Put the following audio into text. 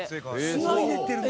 砂入れてるの？